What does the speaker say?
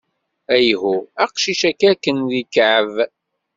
Ayhuh!... aqcic-ayi akken d ikɛeb!